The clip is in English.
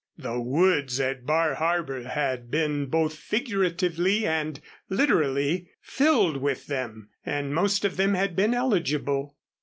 The woods at Bar Harbor had been, both figuratively and literally, filled with them, and most of them had been eligible.